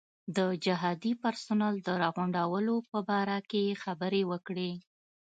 د جهادي پرسونل د راغونډولو په باره کې یې خبرې وکړې.